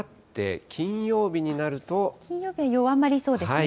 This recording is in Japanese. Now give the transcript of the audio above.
金曜日、弱まりそうですね。